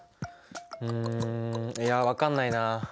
うんいや分かんないな。